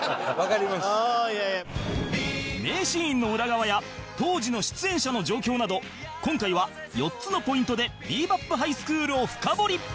名シーンの裏側や当時の出演者の状況など今回は４つのポイントで『ビー・バップ・ハイスクール』を深掘り